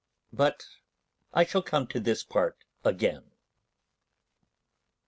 But I shall come to this part again.